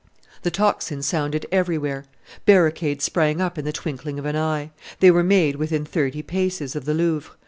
The tocsin sounded everywhere; barricades sprang up in the twinkling of an eye; they were made within thirty paces of the Louvre.